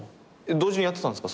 同時にやってたんですか？